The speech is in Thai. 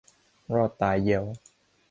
รอดตายแย้ว